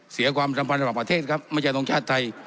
ความสัมพันธ์ระหว่างประเทศครับไม่ใช่ตรงชาติไทย